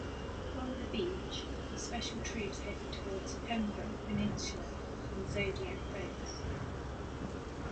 From the beach, the special troops headed towards Pembroke peninsula in Zodiac boats.